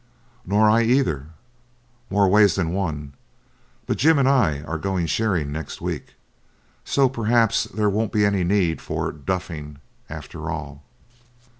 'Nor I either; more ways than one; but Jim and I are going shearing next week. So perhaps there won't be any need for "duffing" after all.'